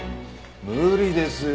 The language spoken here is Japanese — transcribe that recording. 無理ですよ。